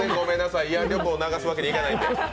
慰安旅行流すわけにいかないので。